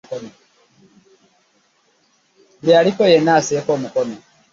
Buli aliwo yenna asseeko omukono.